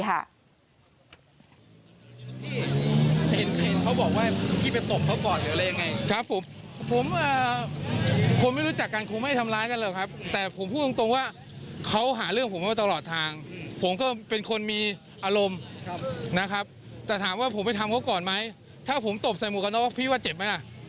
ถ้าผมตบไซมูกกันน็อกเราพิวว่าเจ็ดไหมล่ะแต่เค้าฟันผมทุกอย่างเนี้ย